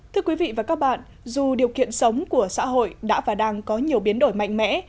thưa quý vị và các bạn dù điều kiện sống của xã hội đã và đang có nhiều biến đổi mạnh mẽ